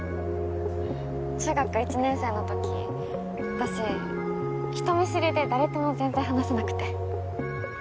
中学１年生の時私人見知りで誰とも全然話せなくて。